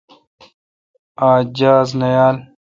آج جاز نہ یال۔